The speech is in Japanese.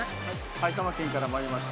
◆埼玉県から参りました。